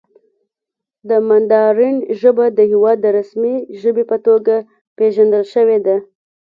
د ماندارین ژبه د هېواد د رسمي ژبې په توګه پېژندل شوې ده.